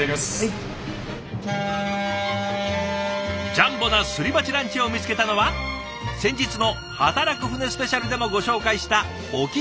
ジャンボなすり鉢ランチを見つけたのは先日の働く船スペシャルでもご紹介した隠岐汽船。